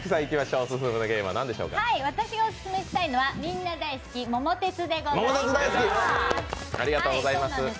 私がオススメしたいのはみんな大好き「桃鉄」でございます。